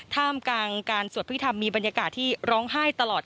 ท่ามกลางการสวดพิธรรมมีบรรยากาศที่ร้องไห้ตลอด